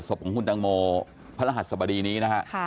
ศพของคุณตังโมพระรหัสสบดีนี้นะฮะ